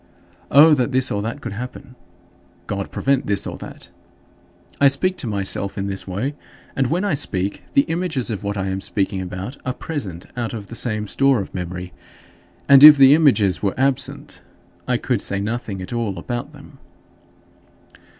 "O that this or that could happen!" "God prevent this or that." I speak to myself in this way; and when I speak, the images of what I am speaking about are present out of the same store of memory; and if the images were absent I could say nothing at all about them.